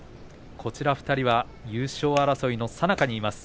こちら２人は優勝争いのさなかにいます。